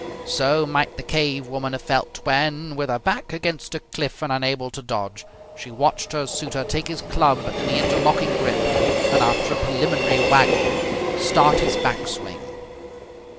So might the cave woman have felt when, with her back against a cliff and unable to dodge, she watched her suitor take his club in the interlocking grip, and, after a preliminary waggle, start his back swing.